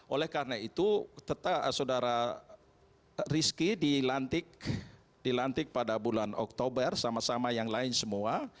oleh karena itu saudara rizky dilantik pada bulan oktober sama sama yang lain semua